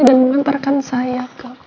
dan mengantarkan saya ke